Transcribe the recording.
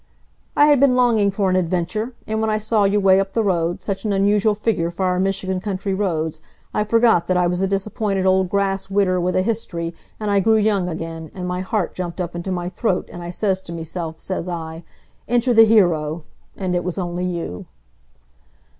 "I had been longing for an adventure. And when I saw you 'way up the road, such an unusual figure for our Michigan country roads, I forgot that I was a disappointed old grass widder with a history, and I grew young again, and my heart jumped up into my throat, and I sez to mesilf, sez I: 'Enter the hero!' And it was only you."